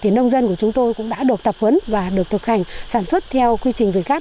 nông dân của chúng tôi cũng đã được tập huấn và được thực hành sản xuất theo quy trình việt gáp